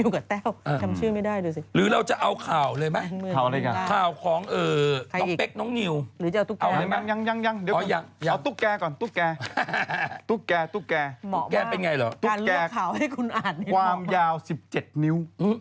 การเริ่มข่าวให้คุณอ่านตุ๊กแก่ขวามยาว๑๗นิ้ว